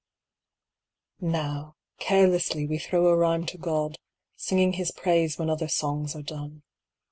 Now, carelessly we throw a rhyme to God, Singing His praise when other songs are done.